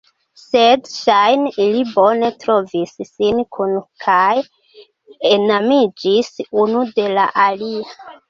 Sed ŝajne ili bone trovis sin kune kaj enamiĝis unu de la alia.